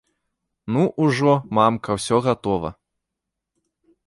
Ну, ужо, мамка, усё гатова!